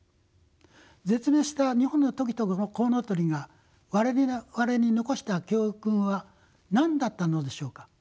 絶滅した日本のトキとコウノトリが我々に残した教訓は何だったのでしょうか？